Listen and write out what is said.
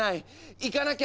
行かなきゃ！